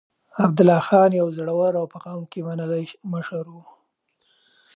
عبدالله خان يو زړور او په قوم کې منلی مشر و.